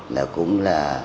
là cũng là